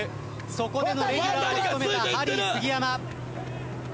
そこでのレギュラーを務めたハリー杉山。